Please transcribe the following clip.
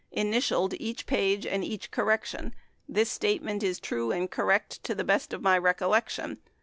Initialed each page and each correction. This statement is true and cor rect to the best of my recollection."